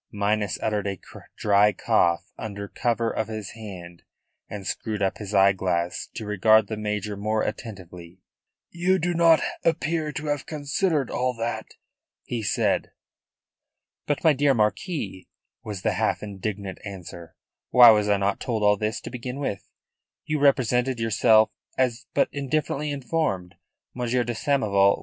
Minas uttered a dry cough under cover of his hand, and screwed up his eyeglass to regard the major more attentively. "You do not appear to have considered all that," he said. "But, my dear Marquis," was the half indignant answer, "why was I not told all this to begin with? You represented yourself as but indifferently informed, Monsieur de Samoval.